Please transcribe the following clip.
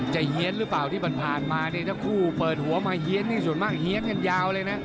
จะเผียนหรือเปล่าที่มันผ่านมาถ้าคู่เปิดหัวมาเผียนนี่สุดมั่งเผียนกันยาวเลยนะ